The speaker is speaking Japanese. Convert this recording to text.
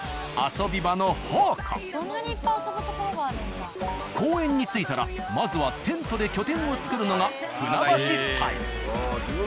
そんなに公園に着いたらまずはテントで拠点を作るのが船橋スタイル。